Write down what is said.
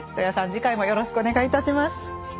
次回もよろしくお願いいたします。